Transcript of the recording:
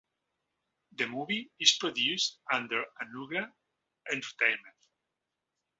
The Movie is produced under Anugrah Entertainment.